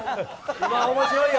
今、面白いよ！